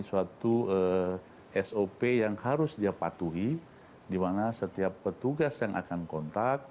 suatu sop yang harus dia patuhi dimana setiap petugas yang akan kontak